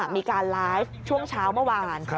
มีการไลฟ์ช่วงเช้าเมื่อวาน